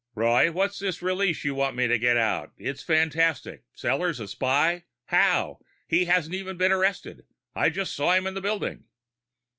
"Roy, what's this release you want me to get out? It's fantastic Sellors a spy? How? He hasn't even been arrested. I just saw him in the building."